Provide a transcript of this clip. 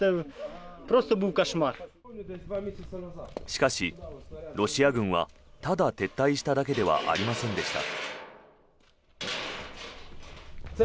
しかし、ロシア軍はただ撤退しただけではありませんでした。